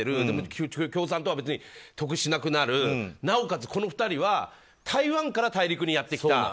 でも共産党は得しなくなるなおかつ、この２人は台湾から大陸にやってきた。